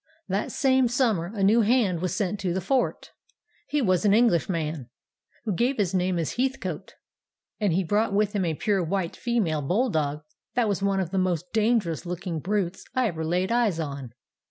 "That same summer a new hand was sent to the fort. He was an Englishman, who gave his name as Heathcote, and he brought with him a pure white female bull dog that was one of the most dangerous looking brutes I ever laid eyes on.